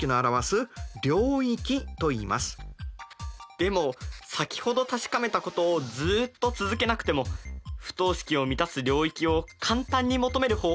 でも先ほど確かめたことをずっと続けなくても不等式を満たす領域を簡単に求める方法ってあるのでしょうか？